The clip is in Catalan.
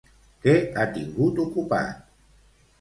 Què ha tingut ocupat?